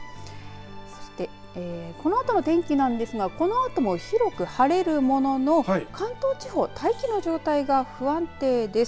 そして、このあとの天気なんですが、このあとも広く晴れるものの関東地方大気の状態が不安定です。